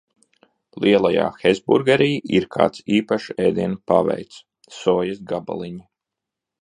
Lielajā Hesburgerī ir kāds īpašs ēdiena paveids - sojas gabaliņi.